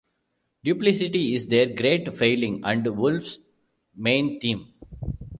Duplicity is their great failing, and Wolff's main theme.